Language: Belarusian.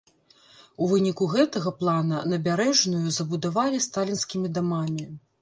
У выніку гэтага плана набярэжную забудавалі сталінскімі дамамі.